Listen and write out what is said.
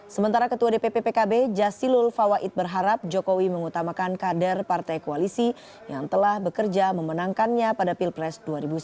sementara ketua dpp pkb jasilul fawait berharap jokowi mengutamakan kader partai koalisi yang telah bekerja memenangkannya pada pilpres dua ribu sembilan belas